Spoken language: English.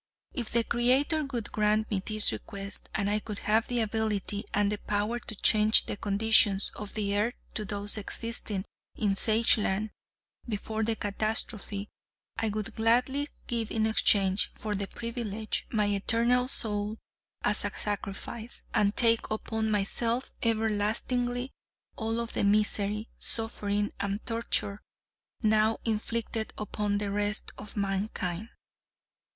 If the Creator would grant me this request, and I could have the ability and the power to change the conditions of the earth to those existing in Sageland before the Catastrophe, I would gladly give in exchange for the privilege, my eternal soul as a sacrifice, and take upon myself everlastingly, all of the misery, suffering, and torture now inflicted upon the rest of mankind.